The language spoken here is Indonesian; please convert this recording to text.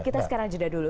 kita sekarang jeda dulu